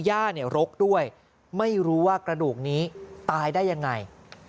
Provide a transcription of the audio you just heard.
ย่าเนี่ยรกด้วยไม่รู้ว่ากระดูกนี้ตายได้ยังไง